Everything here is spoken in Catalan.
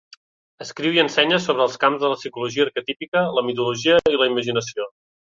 Escriu i ensenya sobre els camps de la psicologia arquetípica, la mitologia i la imaginació.